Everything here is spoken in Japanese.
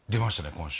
今週。